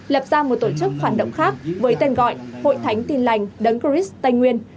lập ra một tổ chức phản động khác với tên gọi hội thánh tin lành đấng christ tây nguyên